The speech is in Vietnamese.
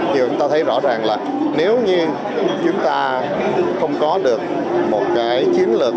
thì chúng ta thấy rõ ràng là nếu như chúng ta không có được một cái chiến lược